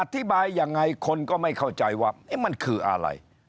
อธิบายยังไงคนก็ไม่เข้าใจว่ามันคืออะไร